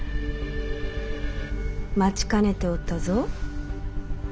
待ちかねておったぞ。